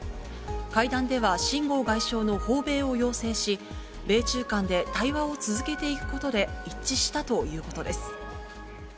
会談では、秦剛外相の訪米を要請し、米中間で対話を続けていくことで一致したということです。